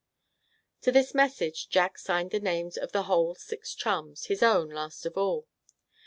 To this message Jack signed the names of the whole six chums, his own last of all.